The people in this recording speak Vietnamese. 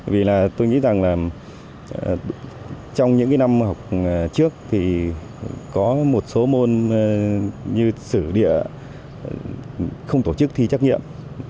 vì là tôi nghĩ rằng là trong những năm học trước thì có một số môn như sử địa không tổ chức thi trắc nghiệm